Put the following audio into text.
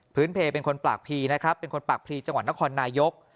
พื้นเพรย์เป็นคนปากพีจังหวัดนครนายก